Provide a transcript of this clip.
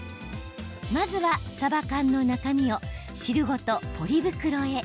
まずは、さば缶の中身を汁ごとポリ袋へ。